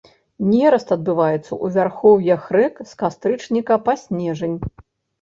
Нераст адбываецца ў вярхоўях рэк з кастрычніка па снежань.